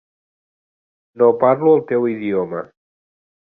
No parlo el teu idioma.